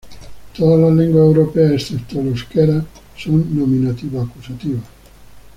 Todas las lenguas europeas, excepto el euskera, son nominativo-acusativas.